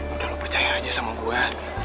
udah lo percaya aja sama gue